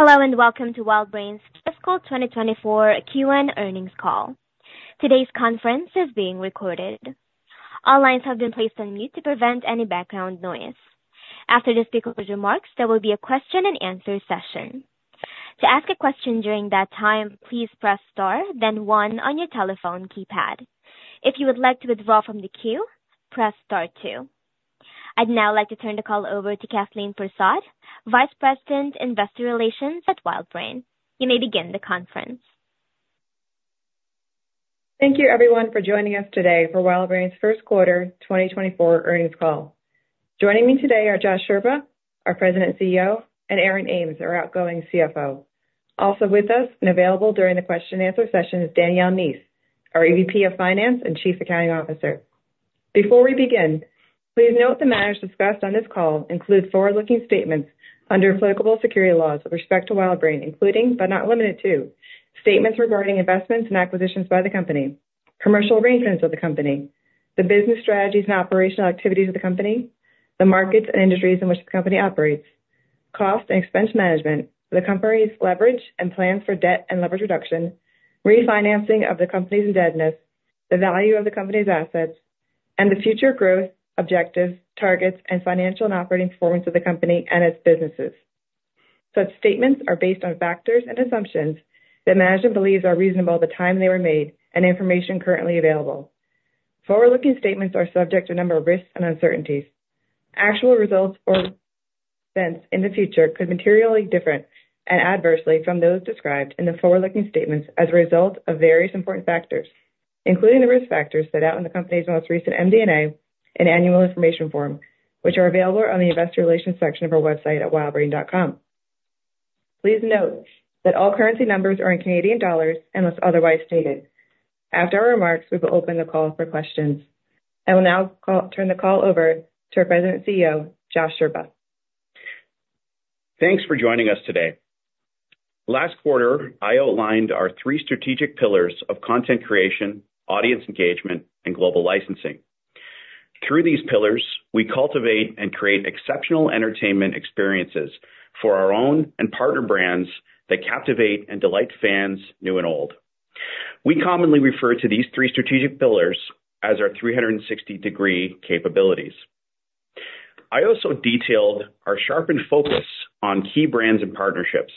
Hello, and welcome to WildBrain's Fiscal 2024 Q4 earnings call. Today's conference is being recorded. All lines have been placed on mute to prevent any background noise. After the speaker's remarks, there will be a question and answer session. To ask a question during that time, please press Star, then one on your telephone keypad. If you would like to withdraw from the queue, press star two. I'd now like to turn the call over to Kathleen Persaud, Vice President, Investor Relations at WildBrain. You may begin the conference. Thank you, everyone, for joining us today for WildBrain's Q1 2024 earnings call. Joining me today are Josh Scherba, our President and CEO, and Aaron Ames, our outgoing CFO. Also with us and available during the question and answer session is Danielle Nease, our EVP of Finance and Chief Accounting Officer. Before we begin, please note the matters discussed on this call include forward-looking statements under applicable securities laws with respect to WildBrain, including, but not limited to, statements regarding investments and acquisitions by the company, commercial arrangements of the company, the business strategies and operational activities of the company, the markets and industries in which the company operates, cost and expense management, the company's leverage and plans for debt and leverage reduction, refinancing of the company's indebtedness, the value of the company's assets, and the future growth, objectives, targets, and financial and operating performance of the company and its businesses. Such statements are based on factors and assumptions that management believes are reasonable at the time they were made and information currently available. Forward-looking statements are subject to a number of risks and uncertainties. Actual results or events in the future could differ materially and adversely from those described in the forward-looking statements as a result of various important factors, including the risk factors set out in the company's most recent MD&A and Annual Information Form, which are available on the investor relations section of our website at WildBrain.com. Please note that all currency numbers are in Canadian dollars, unless otherwise stated. After our remarks, we will open the call for questions. I will now turn the call over to our President and CEO, Josh Scherba. Thanks for joining us today. Last quarter, I outlined our three strategic pillars of content creation, audience engagement, and global licensing. Through these pillars, we cultivate and create exceptional entertainment experiences for our own and partner brands that captivate and delight fans, new and old. We commonly refer to these three strategic pillars as our 360-degree capabilities. I also detailed our sharpened focus on key brands and partnerships.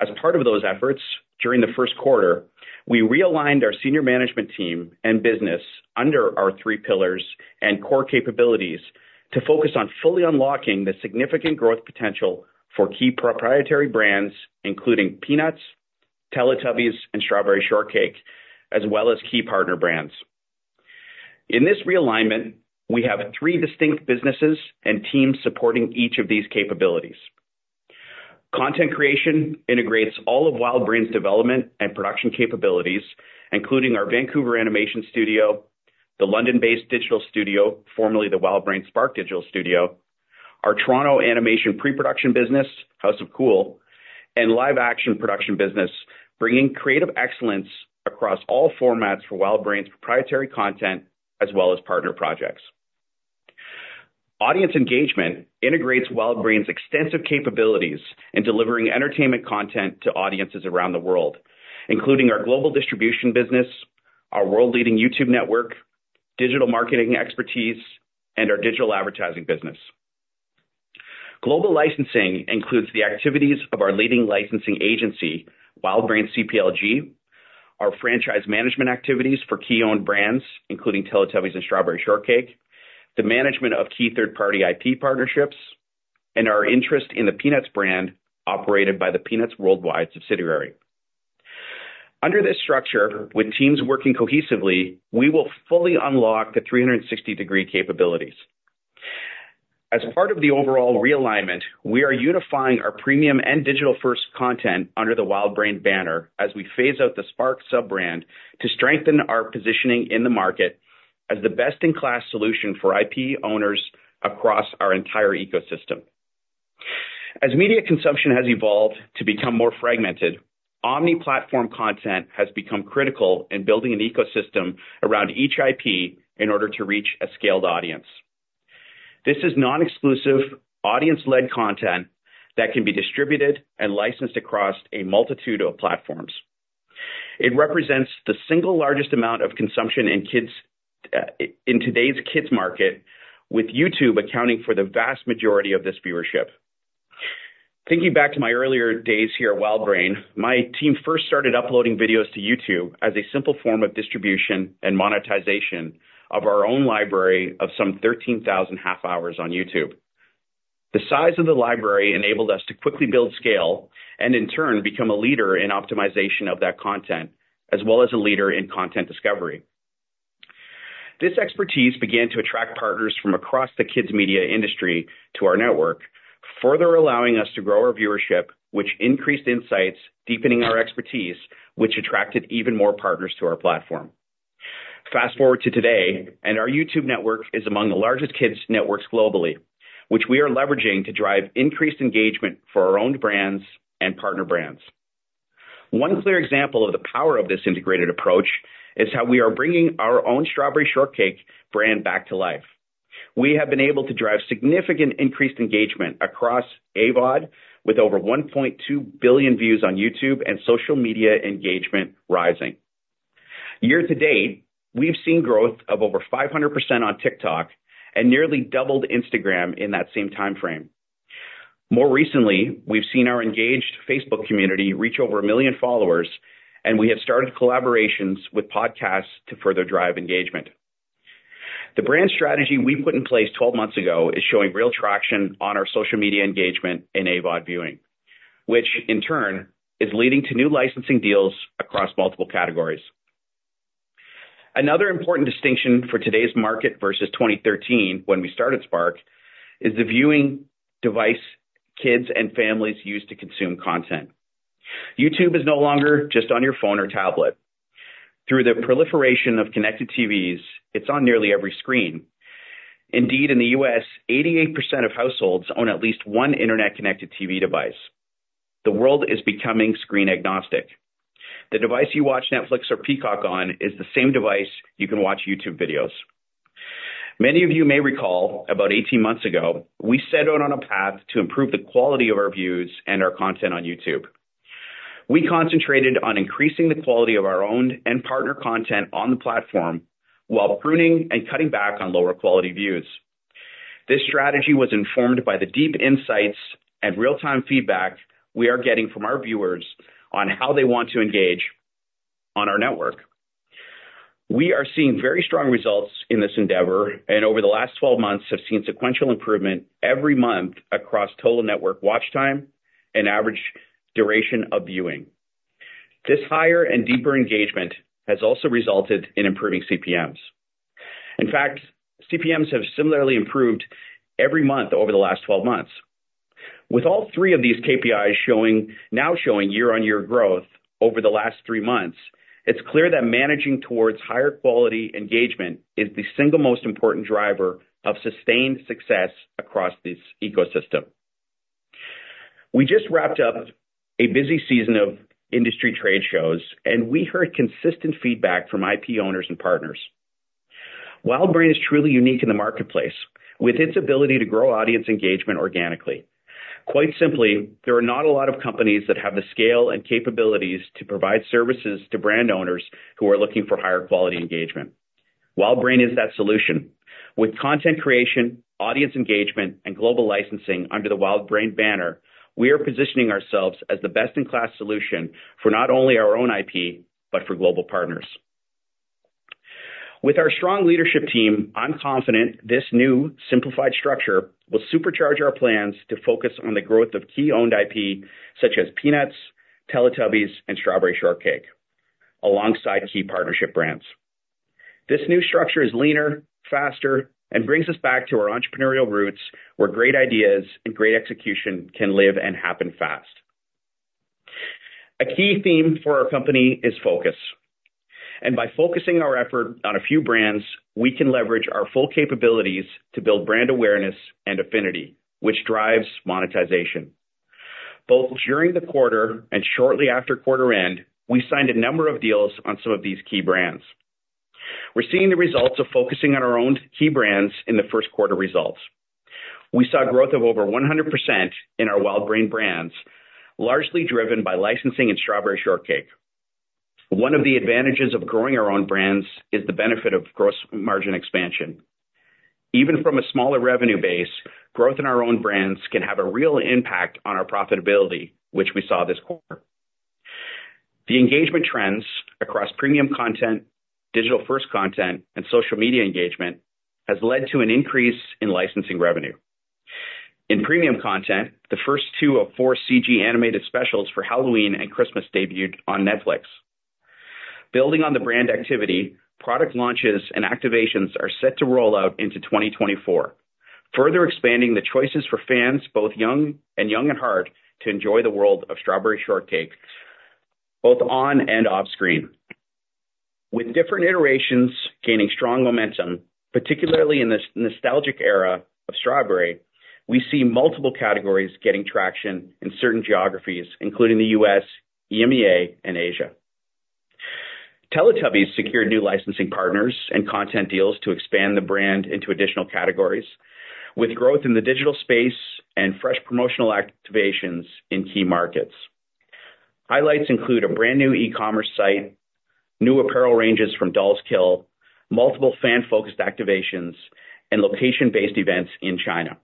As part of those efforts, during the Q1, we realigned our senior management team and business under our three pillars and core capabilities to focus on fully unlocking the significant growth potential for key proprietary brands, including Peanuts, Teletubbies, and Strawberry Shortcake, as well as key partner brands. In this realignment, we have three distinct businesses and teams supporting each of these capabilities. Content creation integrates all of WildBrain's development and production capabilities, including our Vancouver animation studio, the London-based digital studio, formerly the WildBrain Spark digital studio, our Toronto animation pre-production business, House of Cool, and live action production business, bringing creative excellence across all formats for WildBrain's proprietary content as well as partner projects. Audience engagement integrates WildBrain's extensive capabilities in delivering entertainment content to audiences around the world, including our global distribution business, our world-leading YouTube network, digital marketing expertise, and our digital advertising business. Global licensing includes the activities of our leading licensing agency, WildBrain CPLG, our franchise management activities for key owned brands, including Teletubbies and Strawberry Shortcake, the management of key third-party IP partnerships, and our interest in the Peanuts brand, operated by the Peanuts Worldwide subsidiary. Under this structure, with teams working cohesively, we will fully unlock the 360-degree capabilities. As part of the overall realignment, we are unifying our premium and digital-first content under the WildBrain banner as we phase out the Spark sub-brand to strengthen our positioning in the market as the best-in-class solution for IP owners across our entire ecosystem. As media consumption has evolved to become more fragmented, omni-platform content has become critical in building an ecosystem around each IP in order to reach a scaled audience. This is non-exclusive, audience-led content that can be distributed and licensed across a multitude of platforms. It represents the single largest amount of consumption in kids in today's kids market, with YouTube accounting for the vast majority of this viewership. Thinking back to my earlier days here at WildBrain, my team first started uploading videos to YouTube as a simple form of distribution and monetization of our own library of some 13,000 half-hour on YouTube. The size of the library enabled us to quickly build scale and, in turn, become a leader in optimization of that content, as well as a leader in content discovery. This expertise began to attract partners from across the kids' media industry to our network, further allowing us to grow our viewership, which increased insights, deepening our expertise, which attracted even more partners to our platform. Fast forward to today, and our YouTube network is among the largest kids networks globally, which we are leveraging to drive increased engagement for our own brands and partner brands. One clear example of the power of this integrated approach is how we are bringing our own Strawberry Shortcake brand back to life. We have been able to drive significant increased engagement across AVOD, with over 1.2 billion views on YouTube and social media engagement rising. Year to date, we've seen growth of over 500% on TikTok and nearly doubled Instagram in that same time frame. More recently, we've seen our engaged Facebook community reach over 1 million followers, and we have started collaborations with podcasts to further drive engagement. The brand strategy we put in place 12 months ago is showing real traction on our social media engagement in AVOD viewing, which in turn is leading to new licensing deals across multiple categories. Another important distinction for today's market versus 2013, when we started Spark, is the viewing device kids and families use to consume content. YouTube is no longer just on your phone or tablet. Through the proliferation of connected TVs, it's on nearly every screen. Indeed, in the U.S., 88% of households own at least one internet-connected TV device. The world is becoming screen-agnostic. The device you watch Netflix or Peacock on is the same device you can watch YouTube videos. Many of you may recall, about 18 months ago, we set out on a path to improve the quality of our views and our content on YouTube. We concentrated on increasing the quality of our owned and partner content on the platform while pruning and cutting back on lower-quality views. This strategy was informed by the deep insights and real-time feedback we are getting from our viewers on how they want to engage on our network. We are seeing very strong results in this endeavor, and over the last 12 months have seen sequential improvement every month across total network watch time and average duration of viewing. This higher and deeper engagement has also resulted in improving CPMs. In fact, CPMs have similarly improved every month over the last 12 months. With all three of these KPIs showing, now showing year-on-year growth over the last three months, it's clear that managing towards higher quality engagement is the single most important driver of sustained success across this ecosystem. We just wrapped up a busy season of industry trade shows, and we heard consistent feedback from IP owners and partners. WildBrain is truly unique in the marketplace, with its ability to grow audience engagement organically. Quite simply, there are not a lot of companies that have the scale and capabilities to provide services to brand owners who are looking for higher quality engagement. WildBrain is that solution. With content creation, audience engagement, and global licensing under the WildBrain banner, we are positioning ourselves as the best-in-class solution for not only our own IP, but for global partners. With our strong leadership team, I'm confident this new simplified structure will supercharge our plans to focus on the growth of key owned IP, such as Peanuts, Teletubbies, and Strawberry Shortcake, alongside key partnership brands. This new structure is leaner, faster, and brings us back to our entrepreneurial roots, where great ideas and great execution can live and happen fast. A key theme for our company is focus, and by focusing our effort on a few brands, we can leverage our full capabilities to build brand awareness and affinity, which drives monetization. Both during the quarter and shortly after quarter end, we signed a number of deals on some of these key brands. We're seeing the results of focusing on our own key brands in the Q1 results. We saw growth of over 100% in our WildBrain brands, largely driven by licensing and Strawberry Shortcake. One of the advantages of growing our own brands is the benefit of gross margin expansion. Even from a smaller revenue base, growth in our own brands can have a real impact on our profitability, which we saw this quarter. The engagement trends across premium content, digital-first content, and social media engagement has led to an increase in licensing revenue. In premium content, the first two of four CG animated specials for Halloween and Christmas debuted on Netflix. Building on the brand activity, product launches and activations are set to roll out into 2024, further expanding the choices for fans, both young and young at heart, to enjoy the world of Strawberry Shortcake, both on and off screen. With different iterations gaining strong momentum, particularly in this nostalgic era of Strawberry, we see multiple categories getting traction in certain geographies, including the U.S., EMEA, and Asia. Teletubbies secured new licensing partners and content deals to expand the brand into additional categories, with growth in the digital space and fresh promotional activations in key markets. Highlights include a brand new e-commerce site, new apparel ranges from Dolls Kill, multiple fan-focused activations and location-based events in China.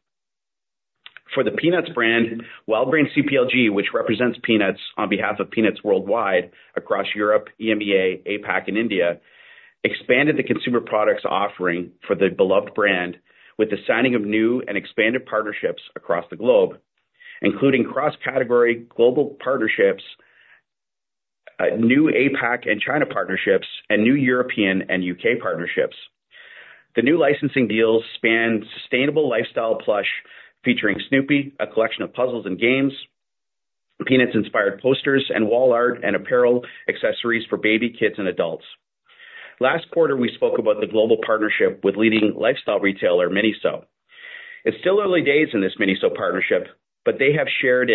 For the Peanuts brand, WildBrain CPLG, which represents Peanuts on behalf of Peanuts Worldwide across Europe, EMEA, APAC, and India, expanded the consumer products offering for the beloved brand with the signing of new and expanded partnerships across the globe, including cross-category global partnerships, new APAC and China partnerships, and new European and U.K. partnerships. The new licensing deals span sustainable lifestyle plush, featuring Snoopy, a collection of puzzles and games, Peanuts-inspired posters and wall art, apparel, and accessories for babies, kids, and adults. Last quarter, we spoke about the global partnership with leading lifestyle retailer, MINISO. It's still early days in this MINISO partnership, but they have shared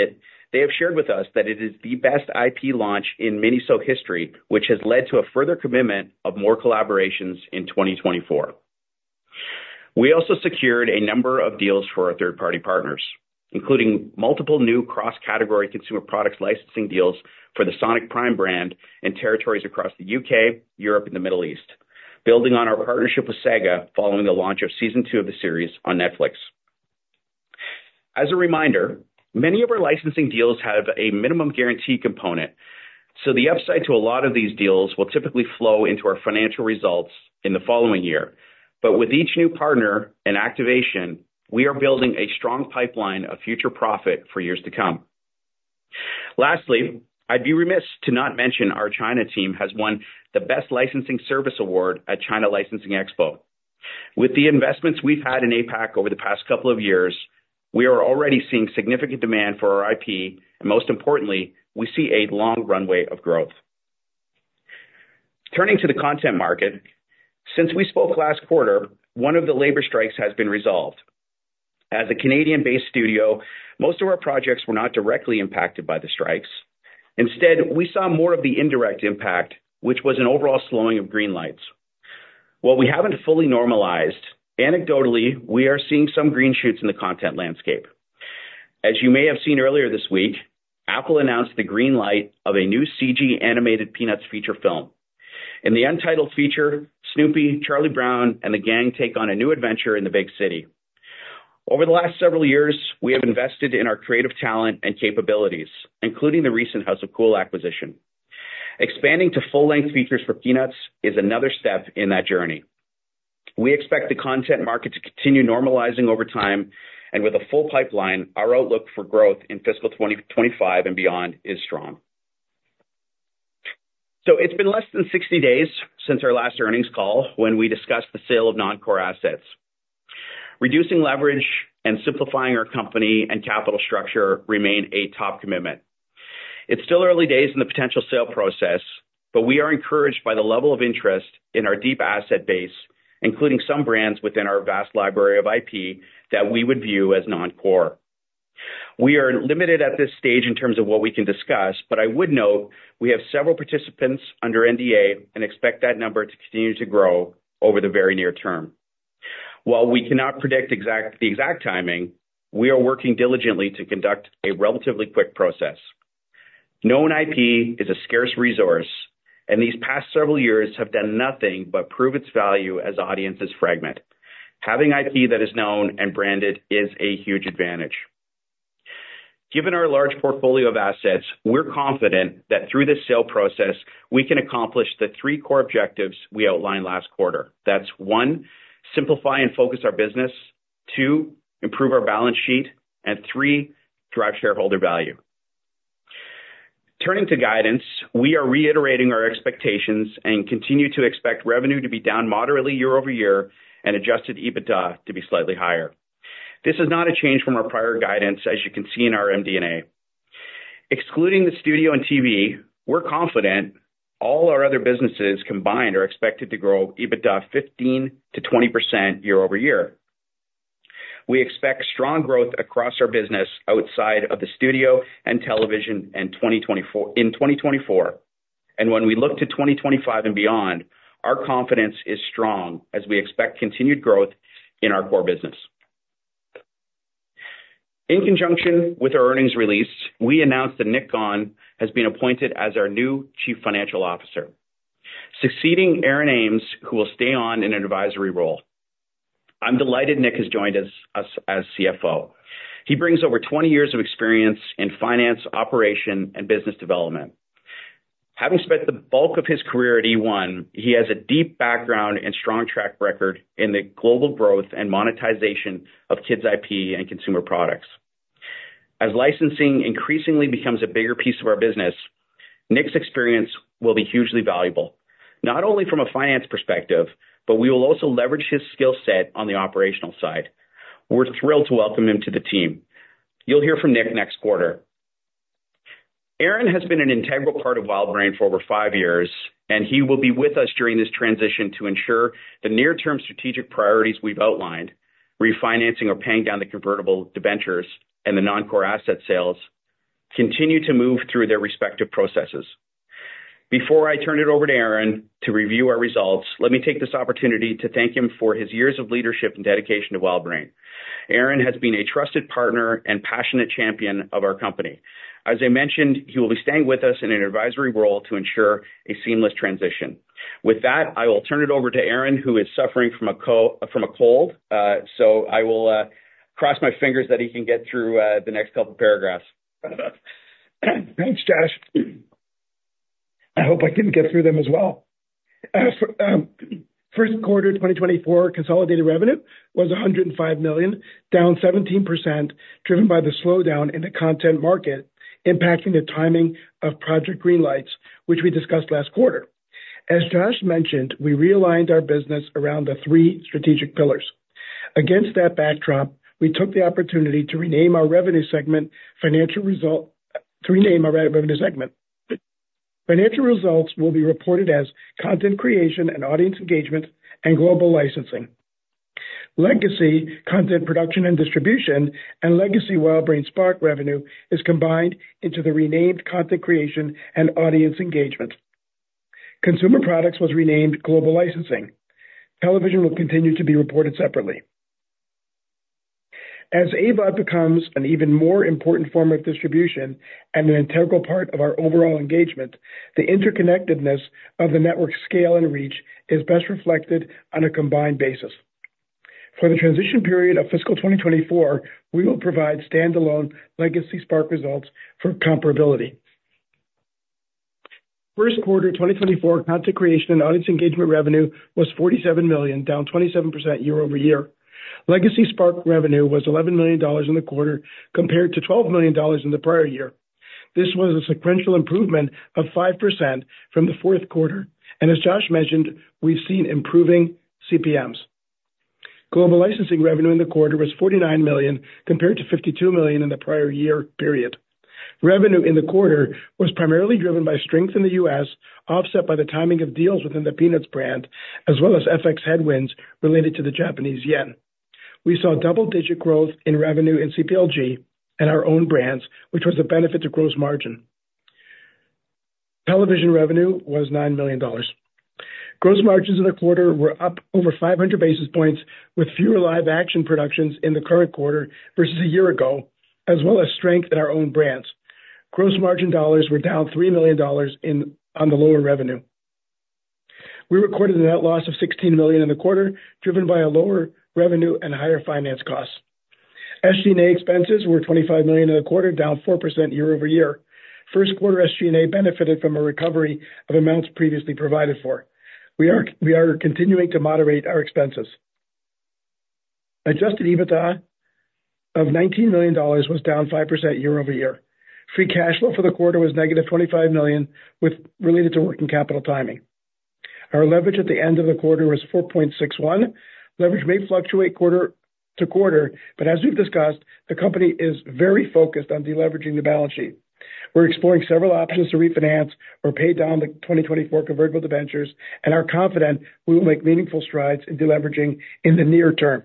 with us that it is the best IP launch in MINISO history, which has led to a further commitment of more collaborations in 2024. We also secured a number of deals for our third-party partners, including multiple new cross-category consumer products licensing deals for the Sonic Prime brand in territories across the U.K., Europe, and the Middle East, building on our partnership with Sega following the launch of season two of the series on Netflix. As a reminder, many of our licensing deals have a minimum guarantee component, so the upside to a lot of these deals will typically flow into our financial results in the following year. But with each new partner and activation, we are building a strong pipeline of future profit for years to come. Lastly, I'd be remiss to not mention our China team has won the Best Licensing Service Award at China Licensing Expo. With the investments we've had in APAC over the past couple of years, we are already seeing significant demand for our IP. Most importantly, we see a long runway of growth. Turning to the content market, since we spoke last quarter, one of the labor strikes has been resolved. As a Canadian-based studio, most of our projects were not directly impacted by the strikes. Instead, we saw more of the indirect impact, which was an overall slowing of green lights. While we haven't fully normalized, anecdotally, we are seeing some green shoots in the content landscape. As you may have seen earlier this week, Apple announced the green light of a new CG animated Peanuts feature film. In the untitled feature, Snoopy, Charlie Brown, and the gang take on a new adventure in the big city. Over the last several years, we have invested in our creative talent and capabilities, including the recent House of Cool acquisition. Expanding to full-length features for Peanuts is another step in that journey. We expect the content market to continue normalizing over time, and with a full pipeline, our outlook for growth in fiscal 2025 and beyond is strong. So it's been less than 60 days since our last earnings call, when we discussed the sale of non-core assets. Reducing leverage and simplifying our company and capital structure remain a top commitment. It's still early days in the potential sale process, but we are encouraged by the level of interest in our deep asset base, including some brands within our vast library of IP, that we would view as non-core. We are limited at this stage in terms of what we can discuss, but I would note we have several participants under NDA and expect that number to continue to grow over the very near term. While we cannot predict the exact timing, we are working diligently to conduct a relatively quick process. Known IP is a scarce resource, and these past several years have done nothing but prove its value as audiences fragment. Having IP that is known and branded is a huge advantage. Given our large portfolio of assets, we're confident that through the sale process, we can accomplish the three core objectives we outlined last quarter. That's one, simplify and focus our business, two, improve our balance sheet, and three, drive shareholder value. Turning to guidance, we are reiterating our expectations and continue to expect revenue to be down moderately year-over-year and adjusted EBITDA to be slightly higher. This is not a change from our prior guidance, as you can see in our MD&A. Excluding the studio and TV, we're confident all our other businesses combined are expected to grow EBITDA 15%-20% year-over-year. We expect strong growth across our business outside of the studio and television in 2024, and when we look to 2025 and beyond, our confidence is strong as we expect continued growth in our core business. In conjunction with our earnings release, we announced that Nick Gawne has been appointed as our new Chief Financial Officer, succeeding Aaron Ames, who will stay on in an advisory role. I'm delighted Nick has joined us as CFO. He brings over 20 years of experience in finance, operation, and business development. Having spent the bulk of his career at eOne, he has a deep background and strong track record in the global growth and monetization of kids IP and consumer products. As licensing increasingly becomes a bigger piece of our business, Nick's experience will be hugely valuable, not only from a finance perspective, but we will also leverage his skill set on the operational side. We're thrilled to welcome him to the team. You'll hear from Nick next quarter. Aaron has been an integral part of WildBrain for over five years, and he will be with us during this transition to ensure the near-term strategic priorities we've outlined, refinancing or paying down the convertible debentures and the non-core asset sales, continue to move through their respective processes. Before I turn it over to Aaron to review our results, let me take this opportunity to thank him for his years of leadership and dedication to WildBrain. Aaron has been a trusted partner and passionate champion of our company. As I mentioned, he will be staying with us in an advisory role to ensure a seamless transition. With that, I will turn it over to Aaron, who is suffering from a cold, so I will cross my fingers that he can get through the next couple of paragraphs. Thanks, Josh. I hope I can get through them as well. As for Q1 2024, consolidated revenue was 105 million, down 17%, driven by the slowdown in the content market, impacting the timing of project green lights, which we discussed last quarter. As Josh mentioned, we realigned our business around the three strategic pillars.... Against that backdrop, we took the opportunity to rename our Revenue segment. Financial results will be reported as content creation and audience engagement and global licensing. Legacy content production and distribution and legacy WildBrain Spark revenue is combined into the renamed Content Creation and Audience Engagement. Consumer Products was renamed Global Licensing. Television will continue to be reported separately. As AVOD becomes an even more important form of distribution and an integral part of our overall engagement, the interconnectedness of the network's scale and reach is best reflected on a combined basis. For the transition period of fiscal 2024, we will provide standalone legacy Spark results for comparability. Q1 2024, content creation and audience engagement revenue was 47 million, down 27% year-over-year. Legacy Spark revenue was 11 million dollars in the quarter, compared to 12 million dollars in the prior year. This was a sequential improvement of 5% from the Q4, and as Josh mentioned, we've seen improving CPMs. Global licensing revenue in the quarter was 49 million, compared to 52 million in the prior year period. Revenue in the quarter was primarily driven by strength in the U.S., offset by the timing of deals within the Peanuts brand, as well as FX headwinds related to the Japanese yen. We saw double-digit growth in revenue in CPLG and our own brands, which was a benefit to gross margin. Television revenue was 9 million dollars. Gross margins in the quarter were up over 500 basis points, with fewer live-action productions in the current quarter versus a year ago, as well as strength in our own brands. Gross margin dollars were down 3 million dollars on the lower revenue. We recorded a net loss of 16 million in the quarter, driven by a lower revenue and higher finance costs. SG&A expenses were 25 million in the quarter, down 4% year-over-year. Q1 SG&A benefited from a recovery of amounts previously provided for. We are continuing to moderate our expenses. Adjusted EBITDA of 19 million dollars was down 5% year-over-year. Free cash flow for the quarter was negative 25 million, which related to working capital timing. Our leverage at the end of the quarter was 4.61. Leverage may fluctuate quarter-to-quarter, but as we've discussed, the company is very focused on deleveraging the balance sheet. We're exploring several options to refinance or pay down the 2024 convertible debentures and are confident we will make meaningful strides in deleveraging in the near term.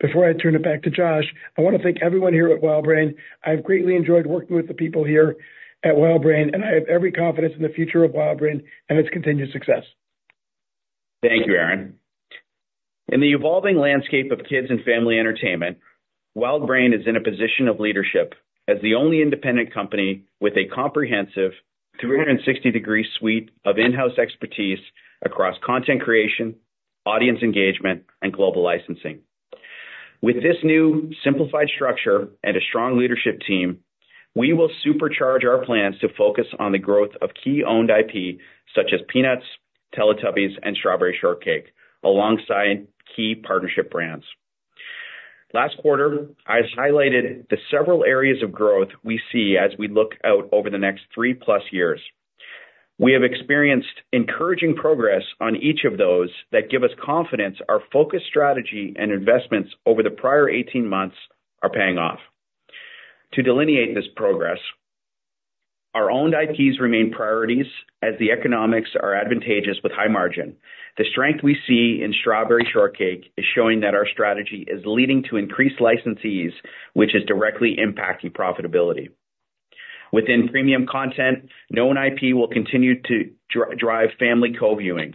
Before I turn it back to Josh, I wanna thank everyone here at WildBrain. I've greatly enjoyed working with the people here at WildBrain, and I have every confidence in the future of WildBrain and its continued success. Thank you, Aaron. In the evolving landscape of kids and family entertainment, WildBrain is in a position of leadership as the only independent company with a comprehensive 360-degree suite of in-house expertise across content creation, audience engagement, and global licensing. With this new simplified structure and a strong leadership team, we will supercharge our plans to focus on the growth of key owned IP, such as Peanuts, Teletubbies, and Strawberry Shortcake, alongside key partnership brands. Last quarter, I highlighted the several areas of growth we see as we look out over the next 3+ years. We have experienced encouraging progress on each of those that give us confidence, our focused strategy and investments over the prior 18 months are paying off. To delineate this progress, our owned IPs remain priorities, as the economics are advantageous with high margin. The strength we see in Strawberry Shortcake is showing that our strategy is leading to increased licensees, which is directly impacting profitability. Within premium content, known IP will continue to drive family co-viewing.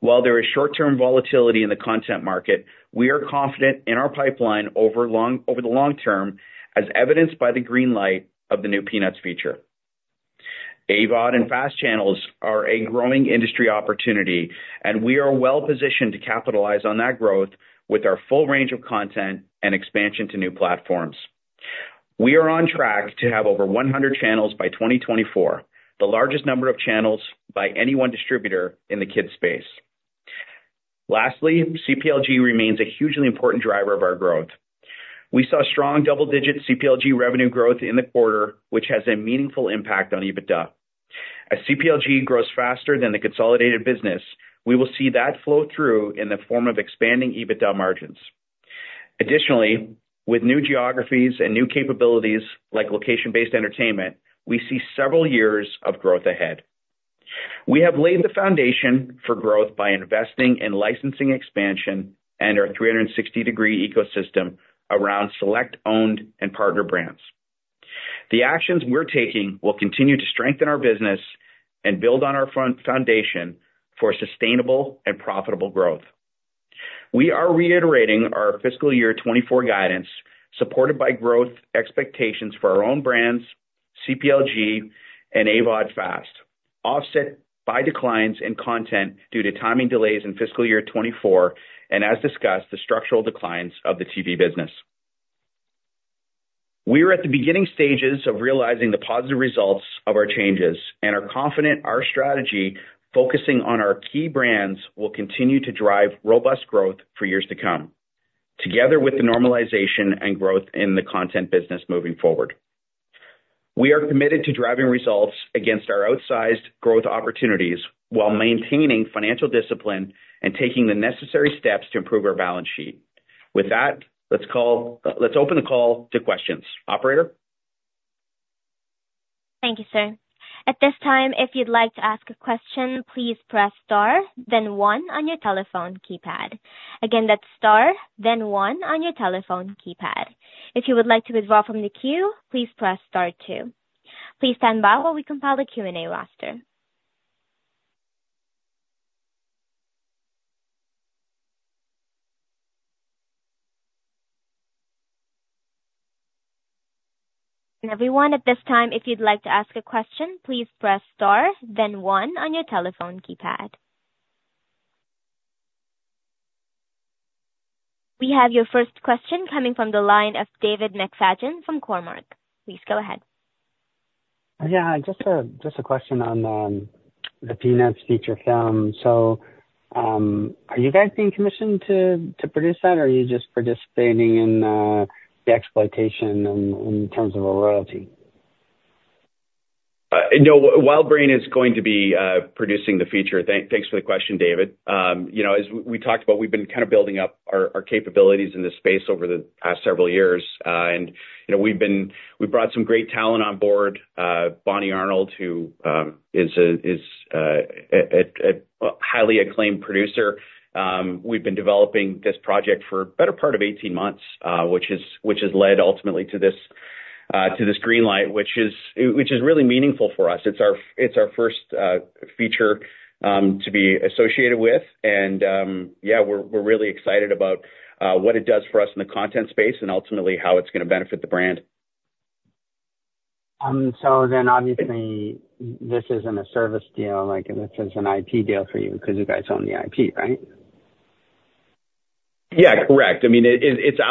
While there is short-term volatility in the content market, we are confident in our pipeline over the long term, as evidenced by the green light of the new Peanuts feature. AVOD and FAST channels are a growing industry opportunity, and we are well positioned to capitalize on that growth with our full range of content and expansion to new platforms. We are on track to have over 100 channels by 2024, the largest number of channels by any one distributor in the kids space. Lastly, CPLG remains a hugely important driver of our growth. We saw strong double-digit CPLG revenue growth in the quarter, which has a meaningful impact on EBITDA. As CPLG grows faster than the consolidated business, we will see that flow through in the form of expanding EBITDA margins. Additionally, with new geographies and new capabilities like location-based entertainment, we see several years of growth ahead. We have laid the foundation for growth by investing in licensing expansion and our 360-degree ecosystem around select, owned, and partner brands. The actions we're taking will continue to strengthen our business and build on our foundation for sustainable and profitable growth. We are reiterating our fiscal year 2024 guidance, supported by growth expectations for our own brands, CPLG and AVOD FAST, offset by declines in content due to timing delays in fiscal year 2024, and as discussed, the structural declines of the TV business. We are at the beginning stages of realizing the positive results of our changes and are confident our strategy, focusing on our key brands, will continue to drive robust growth for years to come, together with the normalization and growth in the content business moving forward. We are committed to driving results against our outsized growth opportunities, while maintaining financial discipline and taking the necessary steps to improve our balance sheet. With that, let's open the call to questions. Operator? Thank you, sir. At this time, if you'd like to ask a question, please press star, then one on your telephone keypad. Again, that's star, then one on your telephone keypad. If you would like to withdraw from the queue, please press star two. Please stand by while we compile the Q&A roster. And everyone, at this time, if you'd like to ask a question, please press star, then one on your telephone keypad. We have your first question coming from the line of David McFadgen from Cormark. Please go ahead. Yeah, just a question on the Peanuts feature film. So, are you guys being commissioned to produce that, or are you just participating in the exploitation in terms of a royalty? No, WildBrain is going to be producing the feature. Thanks for the question, David. You know, as we talked about, we've been kind of building up our capabilities in this space over the past several years. You know, we've brought some great talent on board. Bonnie Arnold, who is a highly acclaimed producer. We've been developing this project for better part of 18 months, which has led ultimately to this green light, which is really meaningful for us. It's our first feature to be associated with, and yeah, we're really excited about what it does for us in the content space and ultimately how it's gonna benefit the brand. So then obviously this isn't a service deal, like, this is an IP deal for you, because you guys own the IP, right? Yeah, correct. I mean,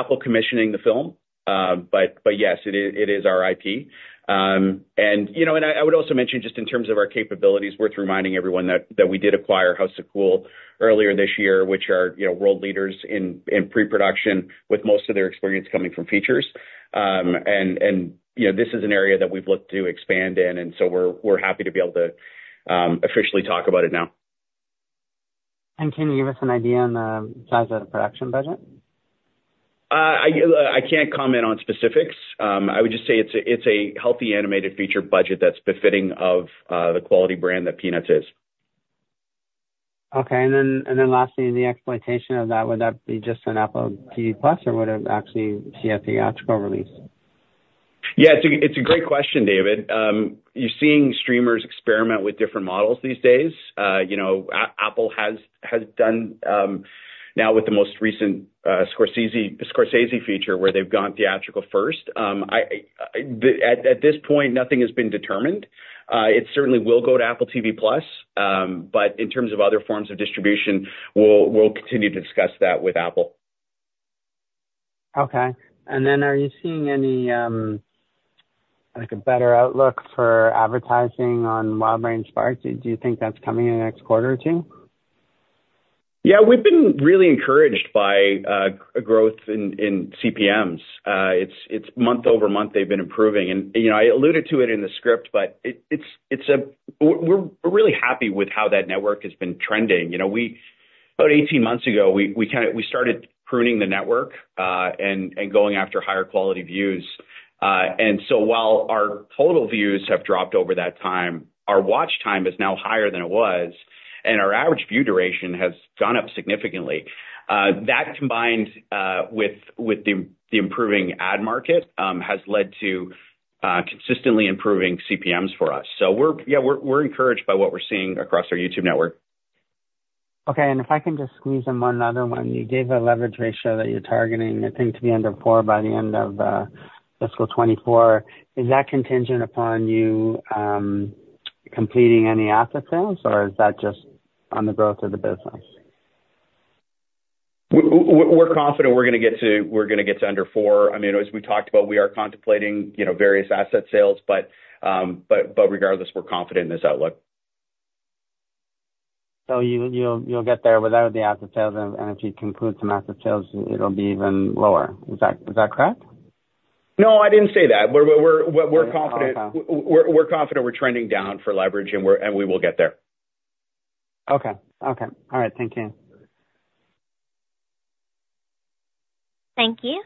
Apple commissioning the film, but, but yes, it is, it is our IP. And, you know, and I, I would also mention, just in terms of our capabilities, worth reminding everyone that, that we did acquire House of Cool earlier this year, which is, you know, world leaders in, in pre-production, with most of their experience coming from features. And, and, you know, this is an area that we've looked to expand in, and so we're, we're happy to be able to, officially talk about it now. Can you give us an idea on the size of the production budget? I can't comment on specifics. I would just say it's a healthy animated feature budget that's befitting of the quality brand that Peanuts is. Okay. And then, and then lastly, the exploitation of that, would that be just on Apple TV+, or would it actually see a theatrical release? Yeah, it's a great question, David. You're seeing streamers experiment with different models these days. You know, Apple has done now with the most recent Scorsese feature, where they've gone theatrical first. At this point, nothing has been determined. It certainly will go to Apple TV+, but in terms of other forms of distribution, we'll continue to discuss that with Apple. Okay. And then, are you seeing any, like a better outlook for advertising on WildBrain Spark? Do you think that's coming in the next quarter or two? Yeah, we've been really encouraged by a growth in CPMs. It's month-over-month, they've been improving. And, you know, I alluded to it in the script, but it's a... We're really happy with how that network has been trending. You know, we- about 18 months ago, we kind of started pruning the network, and going after higher quality views. And so while our total views have dropped over that time, our watch time is now higher than it was, and our average view duration has gone up significantly. That combined with the improving ad market has led to consistently improving CPMs for us. So we're, yeah, we're encouraged by what we're seeing across our YouTube network. Okay. If I can just squeeze in one other one. You gave a leverage ratio that you're targeting, I think, to be under four by the end of fiscal 2024. Is that contingent upon you completing any asset sales, or is that just on the growth of the business? We're confident we're gonna get to, we're gonna get to under four. I mean, as we talked about, we are contemplating, you know, various asset sales, but, but regardless, we're confident in this outlook. So you'll get there without the asset sales, and if you conclude some asset sales, it'll be even lower. Is that correct? No, I didn't say that. We're confident- Okay. We're confident we're trending down for leverage and we will get there. Okay. Okay. All right, thank you. Thank you.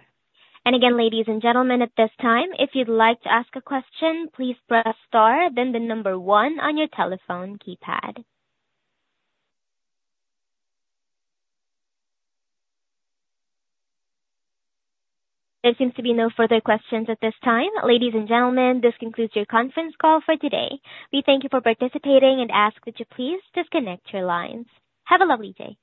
And again, ladies and gentlemen, at this time, if you'd like to ask a question, please press star, then one on your telephone keypad. There seems to be no further questions at this time. Ladies and gentlemen, this concludes your conference call for today. We thank you for participating and ask that you please disconnect your lines. Have a lovely day.